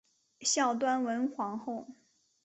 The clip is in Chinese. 孝端文皇后。